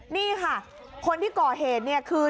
นี่ค่ะคนที่ก่อเหตุคือ